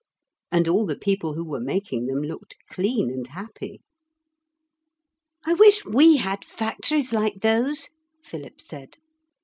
And all the people who were making them looked clean and happy. 'I wish we had factories like those,' Philip said.